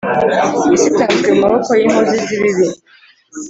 isi itanzwe mu maboko y’inkozi z’ibibi,